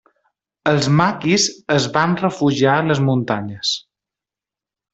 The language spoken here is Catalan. Els maquis es van refugiar a les muntanyes.